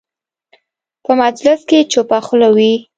په مجلس کې چوپه خوله وي.